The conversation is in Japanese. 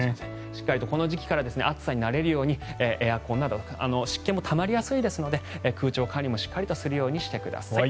しっかりとこの時期から暑さになれるようにエアコンなど湿気もたまりやすいので空調管理もしっかりするようにしてください。